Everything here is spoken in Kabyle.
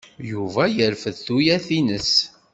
Yuba yerfed tuyat-nnes.